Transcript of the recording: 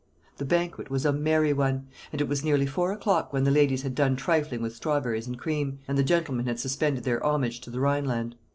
The banquet was a merry one; and it was nearly four o'clock when the ladies had done trifling with strawberries and cream, and the gentlemen had suspended their homage to the Rhineland.